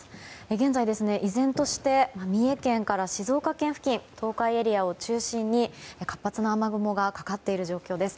現在、依然として三重県から静岡県付近東海エリアを中心に活発な雨雲がかかっている状況です。